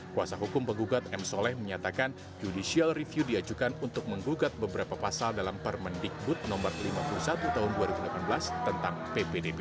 kuasa hukum penggugat m soleh menyatakan judicial review diajukan untuk menggugat beberapa pasal dalam permendikbud no lima puluh satu tahun dua ribu delapan belas tentang ppdb